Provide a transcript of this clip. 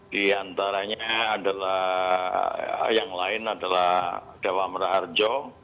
di antaranya adalah yang lain adalah dewa meraharjo